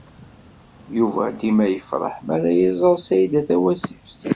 Yuba dima yefṛeḥ mi ara iẓer Saɛida Tawasift.